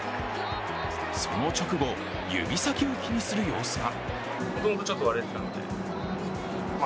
その直後、指先を気にする様子が。